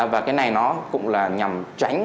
và cái này nó cũng là nhằm tránh